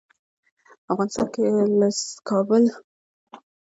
افغانستان له د کابل سیند ډک دی.